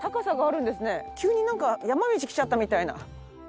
急になんか山道来ちゃったみたいな。